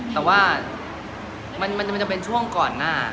แต่ว่ามันจะเป็นช่วงก่อนหน้า